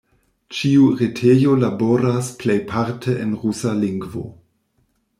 Ĉiu retejo laboras plejparte en rusa lingvo.